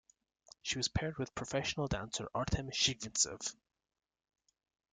She was paired with professional dancer Artem Chigvintsev.